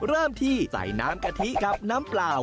เริ่มที่ใส่น้ำกะทิกับน้ำเปล่า